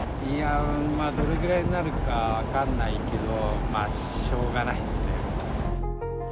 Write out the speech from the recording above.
いやー、まあどれぐらいになるか分かんないけど、まあしょうがないですね。